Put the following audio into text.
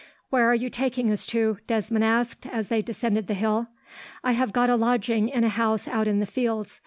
"Where are you taking us to?" Desmond asked, as they descended the hill. "I have got a lodging in a house out in the fields.